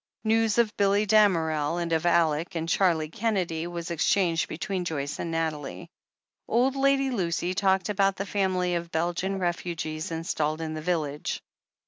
News of Billy Damerel and of Aleck and Charlie Kennedy was exchanged between Joyce and Nathalie. Old Lady 464 THE HEEL OF ACHILLES Lucy talked about the family of Belgian refugees in stalled in the village.